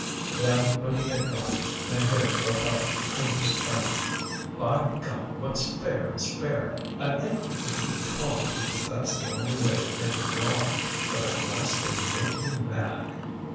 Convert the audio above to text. Then, when he had gone, Maheu broke out in his turn: "By God! what's fair is fair! I like people to be calm, because that's the only way of getting along, but at last they make you mad.